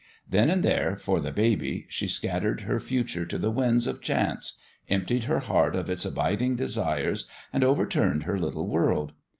Then and there, for the baby, she scattered her future to the winds of chance, emptied her heart of its abiding desires and overturned her little world.